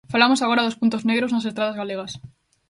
Falamos agora dos puntos negros nas estradas galegas.